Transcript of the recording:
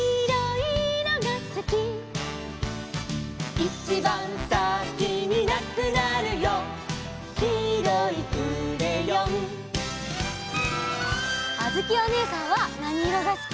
「いちばんさきになくなるよ」「きいろいクレヨン」あづきおねえさんはなにいろがすき？